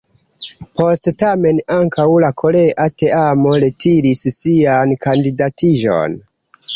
Poste tamen ankaŭ la korea teamo retiris sian kandidatiĝon.